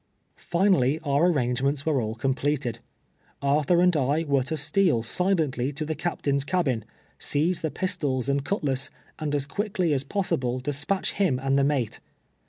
Finally our arrangements were all conijdeteil. Ar thur and I were to steal silently to the captain's cab in, seize the pistols and cutlass, and as rpiickly as possi ble despatch him and the mate.